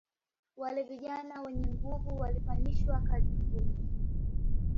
Wale vijana wenye nguvu walifanyishwa kazi ngumu